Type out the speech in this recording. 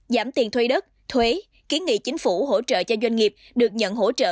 giảm tiền thuê đất thuế kiến nghị chính phủ hỗ trợ cho doanh nghiệp được nhận hỗ trợ